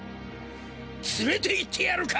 つれていってやるか！